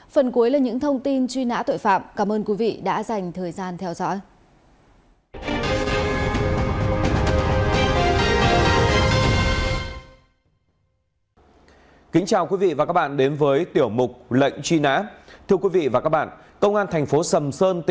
phần cuối là những thông tin truy nã tội phạm cảm ơn quý vị đã dành thời gian theo dõi